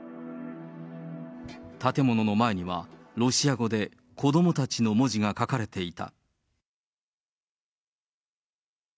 建物の前には、ロシア語で子どもたちの文字が書かれていた。